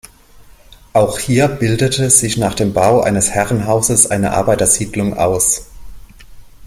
Auch hier bildete sich nach dem Bau eines Herrenhauses eine Arbeitersiedlung aus.